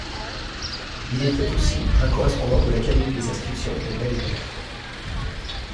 Il était aussi un correspondant de L'Académie des inscriptions et belles-lettres.